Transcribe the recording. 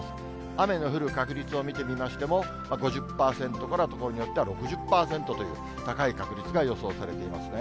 雨の降る確率を見てみましても、５０％から、所によっては６０％という、高い確率が予想されていますね。